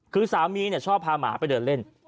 คือสามีชอบพาหมาไปเดินเล่น